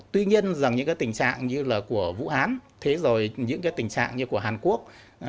tuy nhiên rằng những cái tình trạng như là của vũ hán thế rồi những cái tình trạng như của hàn quốc